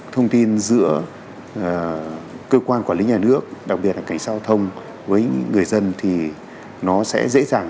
thông tin giữa cơ quan quản lý nhà nước đặc biệt là cảnh giao thông với người dân thì nó sẽ dễ dàng